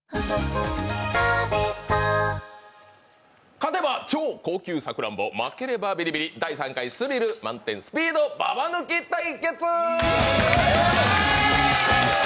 勝てば超高級さくらんぼ、負ければビリビリ、第３回スリル満点スピードババ抜き対決。